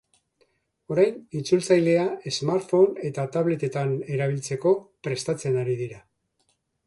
Orain, itzultzailea smartphone eta tablet-etan erabiltzeko prestatzen ari dira.